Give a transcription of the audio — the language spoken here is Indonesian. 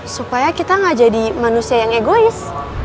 supaya kita gak jadi manusia yang egois